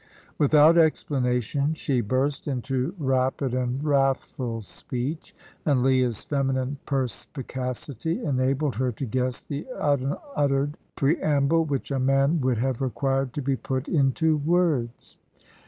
Without explanation, she burst into rapid and wrathful speech, and Leah's feminine perspicacity enabled her to guess the unuttered preamble, which a man would have required to be put into words.